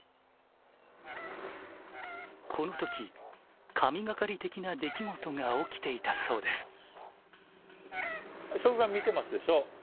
この時神がかり的な出来事が起きていたそうです。